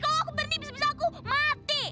kalo aku berhenti bisa bisa aku mati